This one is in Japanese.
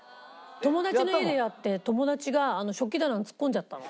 友達の家でやって友達が食器棚に突っ込んじゃったの。